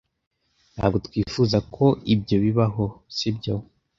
Ntabwo twifuza ko ibyo bibaho, sibyo?